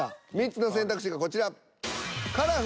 ３つの選択肢がこちら。